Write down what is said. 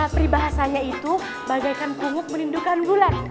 peribahasanya itu bagaikan pungguk menindukan bulan